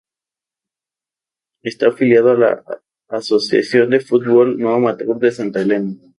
Está afiliado a la Asociación de Fútbol No Amateur de Santa Elena.